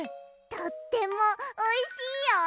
とってもおいしいよ。